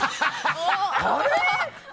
あれ？